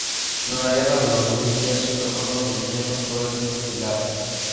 En la Guerra de los Mil Días, su hermano Feliciano fue mutilado.